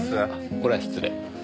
これは失礼。